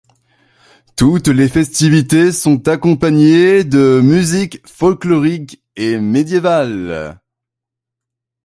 Toutes les festivités sont accompagnées de musiques folkloriques et médiévales.